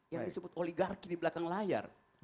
yang disebut oligarki di belakang layar